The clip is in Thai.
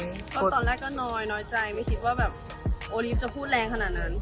ตอนแรกก็นอยนอยใจไม่คิดว่าโอลิฟท์จะพูดแรงขนาดนั้น